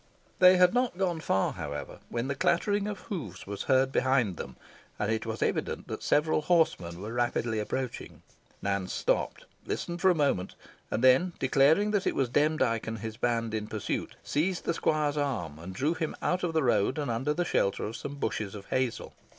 They had not gone far, however, when the clattering of hoofs was heard behind them, and it was evident that several horsemen were rapidly approaching. Nance stopped, listened for a moment, and then declaring that it was Demdike and his band in pursuit, seized the squire's arm and drew him out of the road, and under the shelter of some bushes of hazel.